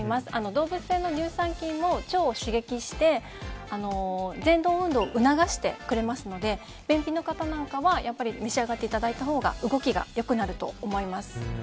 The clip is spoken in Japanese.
動物性の乳酸菌も腸を刺激してぜん動運動を促してくれますので便秘の方なんかは召し上がっていただいたほうが動きが良くなると思います。